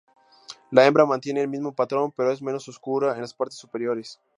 La hembra mantiene el mismo patrón, pero es menos oscura en las partes superiores.